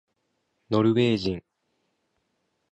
ノルウェー人